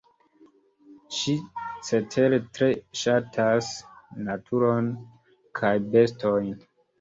Ŝi cetere tre ŝatas naturon kaj bestojn.